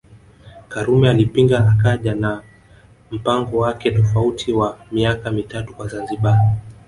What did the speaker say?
Karume alipinga akaja na mpango wake tofauti wa miaka mitatu kwa Zanzibar